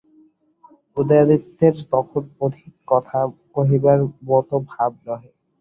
উদয়াদিত্যের তখন অধিক কথা কহিবার মতো ভাব নহে।